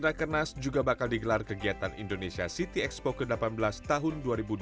rakernas juga bakal digelar kegiatan indonesia city expo ke delapan belas tahun dua ribu dua puluh